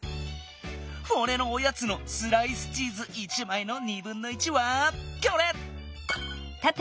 フォレのおやつのスライスチーズ１まいのはこれ！